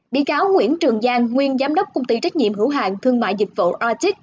bị cáo nguyễn trường giang nguyên giám đốc công ty trách nhiệm hữu hàng thương mại dịch vụ arctic